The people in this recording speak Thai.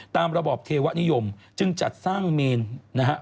ระบอบเทวะนิยมจึงจัดสร้างเมนนะฮะ